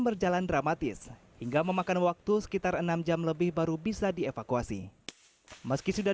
berjalan dramatis hingga memakan waktu sekitar enam jam lebih baru bisa dievakuasi meski sudah